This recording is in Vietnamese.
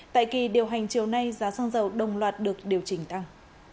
tại kỳ điều hành chiều nay giá xăng dầu đồng loạt được điều chỉnh tăng